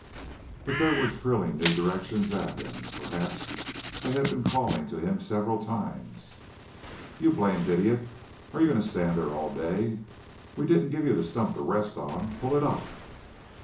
But they were shrilling new directions at him; perhaps they had been calling to him several times. "You blamed idiot, are you goin' to stand there all day? We didn't give you that stump to rest on. Pull it up!"